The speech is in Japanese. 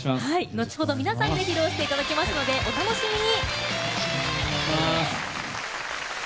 後ほど皆さんで披露していただきますのでお楽しみに！